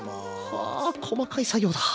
は細かい作業だ。